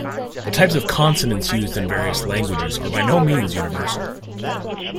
The types of consonants used in various languages are by no means universal.